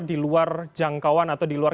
di luar jangkauan atau di luar